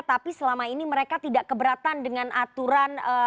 tapi selama ini mereka tidak keberatan dengan komunitas non muslim